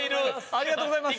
ありがとうございます！